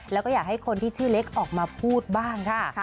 แล้วก็อยากให้คนที่ชื่อเล็กออกมาพูดบ้างค่ะ